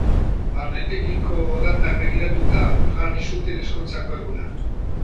Barnetegiko datak begiratuta jarri zuten ezkontzako eguna.